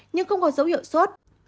nhưng không có dấu hiệu sốt